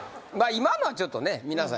今のはちょっとね皆さん